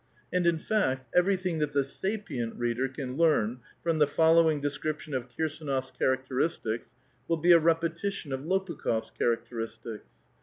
And, in fact, everything: that the \®*P*^iit) reader can learn from the following description of Kirs^iji^Qfg characteristics, will be a repetition of Lopukh6f's chara.<itej.igtics.